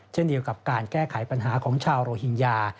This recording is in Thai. เช่นเดียวกับการแก้ไขปัญหาของชาวโรฮิงญา